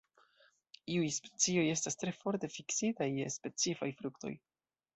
Iuj specioj estas tre forte fiksitaj je specifaj fruktoj.